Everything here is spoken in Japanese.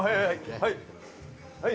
はい